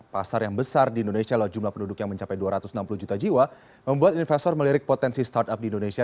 pasar yang besar di indonesia loh jumlah penduduk yang mencapai dua ratus enam puluh juta jiwa membuat investor melirik potensi startup di indonesia